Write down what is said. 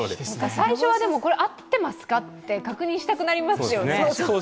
最初は、でもこれ合ってますか？と確認したくなりますよね。